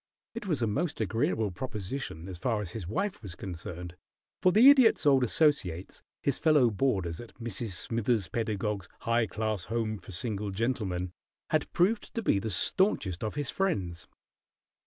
It was a most agreeable proposition as far as his wife was concerned, for the Idiot's old associates, his fellow boarders at Mrs. Smithers Pedagog's "High Class Home for Single Gentlemen," had proved to be the stanchest of his friends.